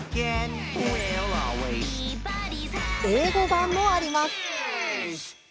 英語版もあります。